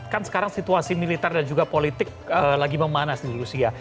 kan sekarang situasi militer dan juga politik lagi memanas di rusia